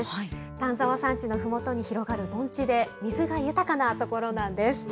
丹沢山地のふもとに広がる盆地で、水が豊かな所なんです。